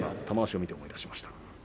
玉鷲を見て思い出しました。